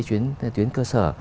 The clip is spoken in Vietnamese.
chuyến cơ sở